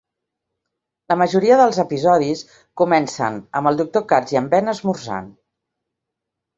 La majoria dels episodis comencen amb el doctor Katz i en Ben esmorzant.